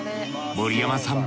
森山さん